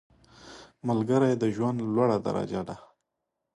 ملګری د ژوند لوړه درجه ده